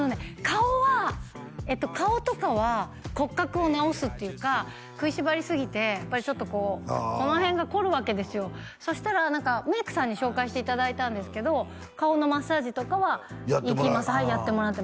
顔は顔とかは骨格を直すっていうか食いしばりすぎてやっぱりちょっとこうこの辺が凝るわけですよそしたら何かメイクさんに紹介していただいたんですけど顔のマッサージとかはやってもらう？